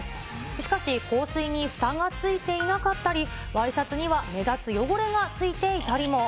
しかし、香水にふたがついていなかったり、ワイシャツには目立つ汚れがついていたりも。